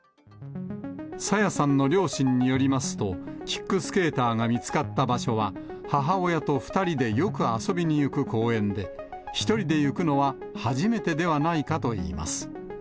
朝芽さんの両親によりますと、キックスケーターが見つかった場所は、母親と２人でよく遊びに行く公園で、１人で行くのは初めてではないかといいます。